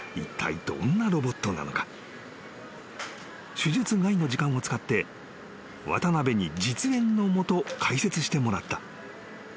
［手術外の時間を使って渡邊に実演の下解説してもらった］